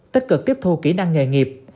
tích cực tiếp thu kỹ năng nghề nghiệp